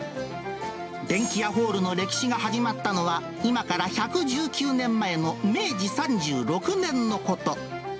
デンキヤホールの歴史が始まったのは、今から１１９年前の明治３６年のこと。